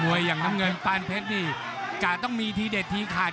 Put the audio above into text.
อย่างน้ำเงินปานเพชรนี่กะต้องมีทีเด็ดทีขาด